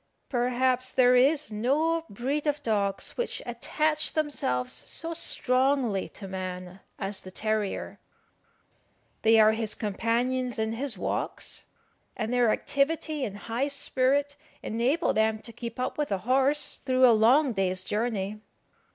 Perhaps there is no breed of dogs which attach themselves so strongly to man as the terrier. They are his companions in his walks, and their activity and high spirit enable them to keep up with a horse through a long day's journey.